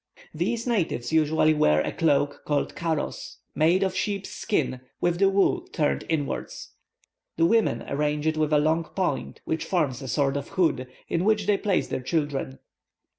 ] These natives usually wear a cloak called karos, made of sheep's skin, with the wool turned inwards. The women arrange it with a long point, which forms a sort of hood, in which they place their children.